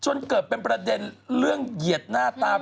จนเกิดเป็นประเด็นเรื่องเหยียดหน้าตา